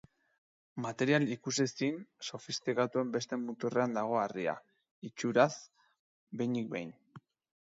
Material ikusezin sofistikatuen beste muturrean dago harria, itxuraz, behinik behin.